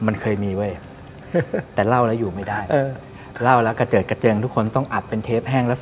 นั่นแหละนั่นแหละ